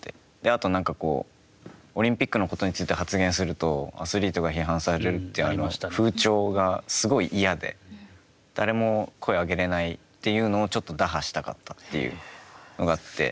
あと、オリンピックのことについて発言するとアスリートが批判されるって風潮がすごい嫌で誰も声を上げられないというのをちょっと打破したかったというのがあって。